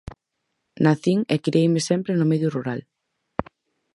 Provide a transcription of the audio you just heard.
Nacín e crieime sempre no medio rural.